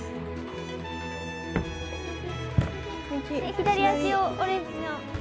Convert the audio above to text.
左足をオレンジの。